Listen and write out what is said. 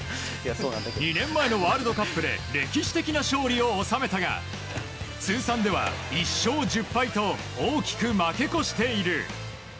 ２年前のワールドカップで歴史的な勝利を収めたが通算では１勝１０敗と大きく負け越している。